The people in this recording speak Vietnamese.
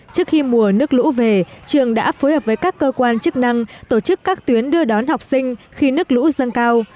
trước khi mùa nước lũ về trường đã phối hợp với các cơ quan chức năng tổ chức các tuyến đưa đón học sinh khi nước lũ dâng cao